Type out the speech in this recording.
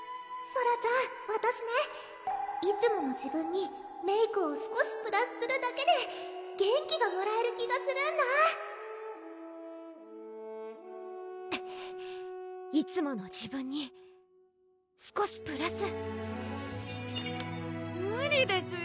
ソラちゃんわたしねいつもの自分にメークを少しプラスするだけで元気がもらえる気がするんだいつもの自分に少しプラス無理ですよ